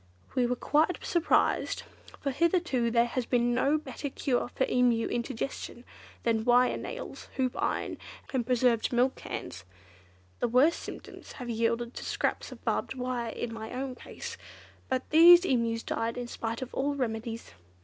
We were quite surprised, for hitherto there has been no better cure for Emu indigestion than wire nails, hoop iron, and preserved milk cans. The worst symptoms have yielded to scraps of barbed wire in my own case. But these Emus died in spite of all remedies."